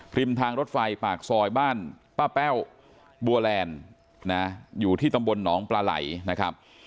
ริมทางรถไฟปากซอยบ้านป้าแป้วบัวแลนด์นะอยู่ที่ตำบลหนองปลาไหลนะครับ